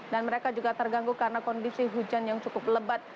dan mereka juga terganggu karena kondisi hujan yang cukup lebat